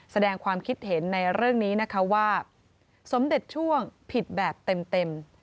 แสดงความคิดเห็นในเรื่องนี้นะคะว่าสมเด็จช่วงผิดแบบเต็ม